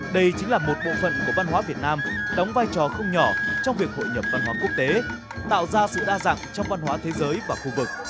đây chính là một bộ phận của văn hóa việt nam đóng vai trò không nhỏ trong việc hội nhập văn hóa quốc tế tạo ra sự đa dạng trong văn hóa thế giới và khu vực